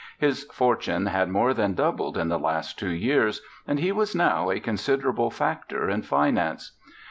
His fortune had more than doubled in the last two years and he was now a considerable factor in finance.